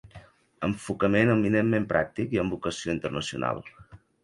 Enfocament eminentment pràctic, i amb vocació internacional.